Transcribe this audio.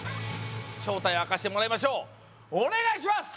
明かしてもらいましょうお願いします